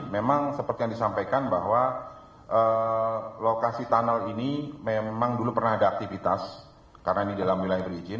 memang seperti yang disampaikan bahwa lokasi tunnel ini memang dulu pernah ada aktivitas karena ini dalam wilayah berizin